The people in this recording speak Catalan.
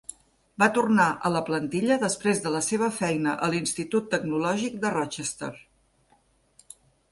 Va tornar a la plantilla després de la seva feina a l'Institut Tecnològic de Rochester.